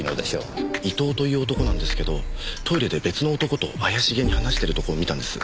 伊藤という男なんですけどトイレで別の男と怪しげに話してるところを見たんです。